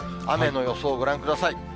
雨の予想、ご覧ください。